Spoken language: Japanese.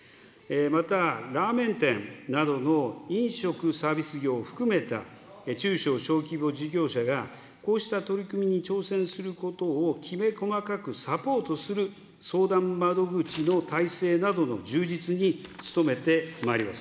また、ラーメン店などの飲食サービス業を含めた中小・小規模事業者が、こうした取り組みに挑戦することをきめ細かくサポートする相談窓口の体制などの充実に努めてまいります。